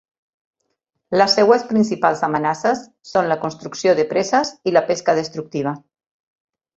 Les seues principals amenaces són la construcció de preses i la pesca destructiva.